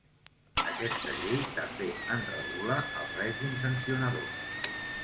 Aquesta llei també en regula el règim sancionador.